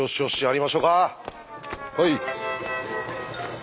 はい。